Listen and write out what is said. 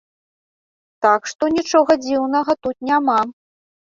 Так што, нічога дзіўнага тут няма.